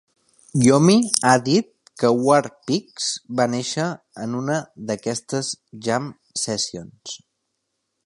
Iommi ha dit que "War Pigs" va néixer en una d'aquestes jam-sessions.